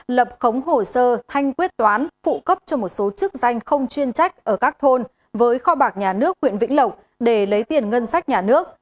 lập khống hồ sơ thanh quyết toán phụ cấp cho một số chức danh không chuyên trách ở các thôn với kho bạc nhà nước huyện vĩnh lộc để lấy tiền ngân sách nhà nước